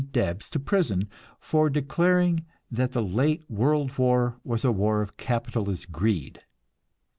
Debs to prison for declaring that the late world war was a war of capitalist greed.